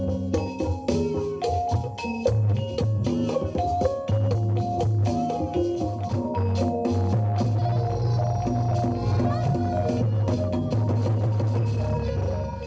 jadi ini juga bisa kita lakukan dengan berat